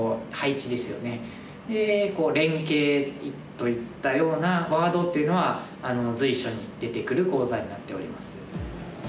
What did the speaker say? といったようなワードっていうのは随所に出てくる講座になっております。